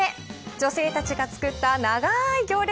女性たちがつくった長い行列。